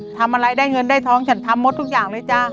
ทำอะไรได้เงินได้ทองฉันทำหมดทุกอย่างเลยจ้ะ